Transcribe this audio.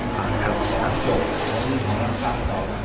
ครับครับส่วนของลักษณะของเรานะครับโอเคครับ